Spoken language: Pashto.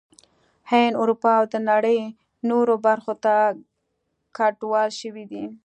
هند، اروپا او د نړۍ نورو برخو ته کډوال شوي دي